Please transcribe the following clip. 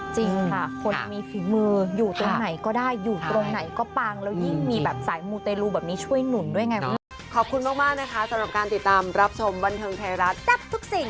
จริงค่ะคนมีฝีมืออยู่ตรงไหนก็ได้อยู่ตรงไหนก็ปังแล้วยิ่งมีแบบสายมูเตลูแบบนี้ช่วยหนุนด้วยไง